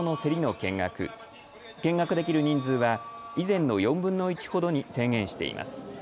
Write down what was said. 見学できる人数は以前の４分の１ほどに制限しています。